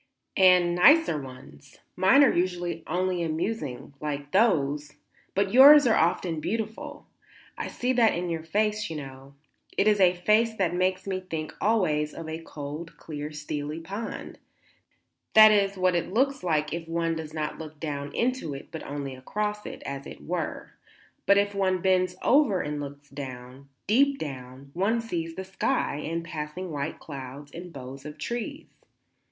"And nicer ones. Mine are usually only amusing, like those; but yours are often beautiful. I see that in your face, you know. It is a face that makes me think always of a cold, clear, steely pool; that is what it looks like if one does not look down into it but only across it, as it were; but if one bends over and looks down, deep down, one sees the sky and passing white clouds and boughs of trees.